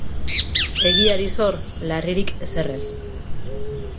Egiari zor, larririk ezer ez.